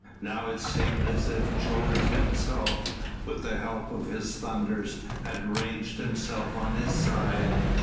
Now it seemed as if Jove himself, with the help of his thunders, had ranged himself on his side.